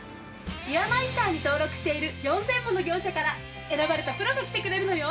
ユアマイスターに登録している４０００もの業者から選ばれたプロが来てくれるのよ。